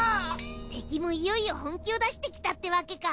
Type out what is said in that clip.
敵もいよいよ本気を出してきたってわけか！